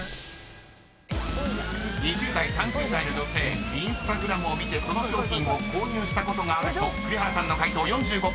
［２０代３０代の女性Ｉｎｓｔａｇｒａｍを見てその商品を購入したことがある人栗原さんの解答４５％］